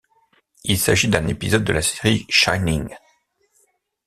Il s'agit d'un épisode de la série Shining.